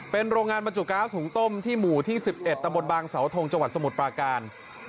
เป็นโรงงานบัจจุกร้าสูงต้มที่หมู่ที่๑๑ตบสธงสมุทรปาการ